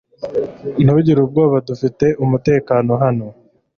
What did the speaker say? Ntugire ubwoba .Dufite umutekano hano .